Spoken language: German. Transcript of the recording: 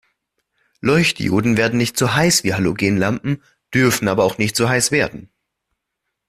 Leuchtdioden werden nicht so heiß wie Halogenlampen, dürfen aber auch nicht so heiß werden.